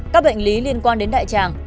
các bệnh lý liên quan đến đại tràng